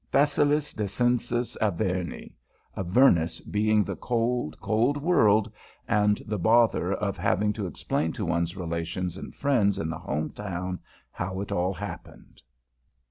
Facilis descensus Averni: Avernus being the cold, cold world, and the bother of having to explain to one's relations and friends in the home town how it all happened.